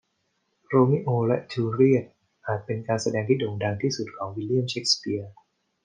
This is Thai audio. โรมิโอและจูเลียตอาจเป็นการแสดงที่โด่งดังที่สุดของวิลเลียมเชกสเปียร์